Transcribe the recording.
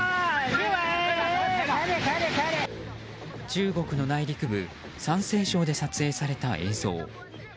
中国の内陸部山西省で撮影された映像。